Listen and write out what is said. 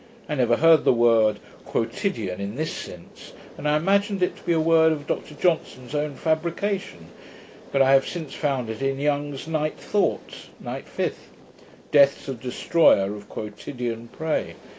I never heard the word quotidian in this sense, and I imagined it to be a word of Dr Johnson's own fabrication; but I have since found it in Young's Night Thoughts (Night fifth): Death's a destroyer of quotidian prey.